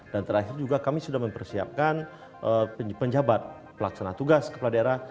dan terakhir juga kami sudah mempersiapkan penjabat pelaksana tugas kepala daerah